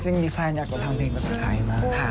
จริงมีแฟนอยากจะทำเพลงภาษาไทยมั้ย